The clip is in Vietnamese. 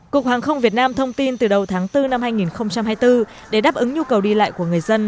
cục hàng không việt nam thông tin từ đầu tháng bốn năm hai nghìn hai mươi bốn để đáp ứng nhu cầu đi lại của người dân